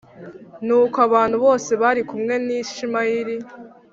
Nuko abantu bose bari kumwe na Ishimayeli